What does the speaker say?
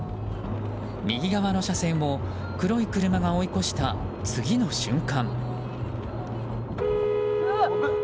右側の車線を黒い車が追い越した次の瞬間。